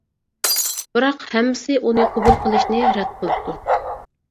بىراق، ھەممىسى ئۇنى قوبۇل قىلىشنى رەت قىلىپتۇ.